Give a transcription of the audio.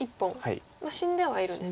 死んではいるんですね。